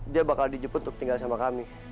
dia bakal di jepun untuk tinggalin sama kami